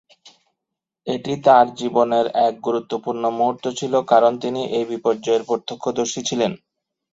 এটি তাঁর জীবনের এক গুরুত্বপূর্ণ মুহূর্ত ছিল কারণ তিনি এই বিপর্যয়ের প্রত্যক্ষদর্শী ছিলেন।